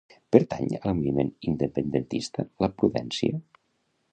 Pertany al moviment independentista la Prudencia?